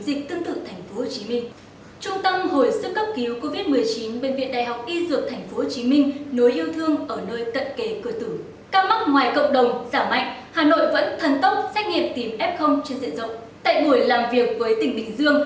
xin chào và hẹn gặp lại trong các bộ phim tiếp theo